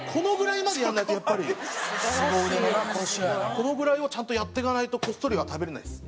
このぐらいをちゃんとやっていかないとこっそりは食べれないです。